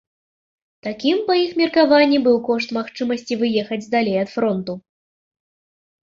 Такім, па іх меркаванні, быў кошт магчымасці выехаць далей ад фронту.